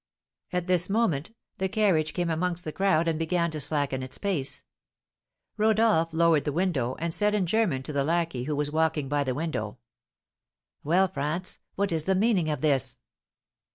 At this moment the carriage came amongst the crowd and began to slacken its pace. Rodolph lowered the window, and said in German to the lackey who was walking by the window, "Well, Frantz, what is the meaning of this?"